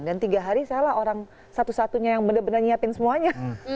dan tiga hari salah orang satu satunya yang bener bener nyiapin semuanya